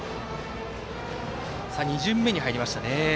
２巡目に入りましたね。